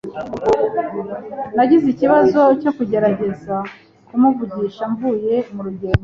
Nagize ikibazo cyo kugerageza kumuvugisha mvuye murugendo.